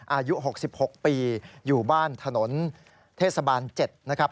อายุ๖๖ปีอยู่บ้านถนนเทศบาล๗นะครับ